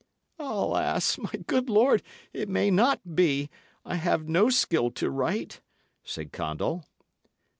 "Alas! my good lord, it may not be; I have no skill to write," said Condall.